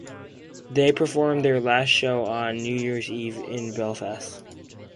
They performed their last show on New Year's Eve in Belfast.